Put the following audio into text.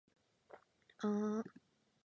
ぁー